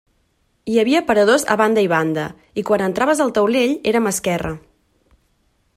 Hi havia aparadors a banda i banda, i quan entraves el taulell era a mà esquerra.